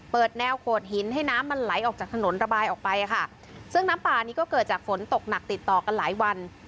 แนวโขดหินให้น้ำมันไหลออกจากถนนระบายออกไปค่ะซึ่งน้ำป่านี้ก็เกิดจากฝนตกหนักติดต่อกันหลายวัน